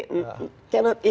yang saya sendiri